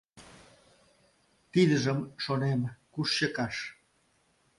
Тидыжым, шонем, куш чыкаш?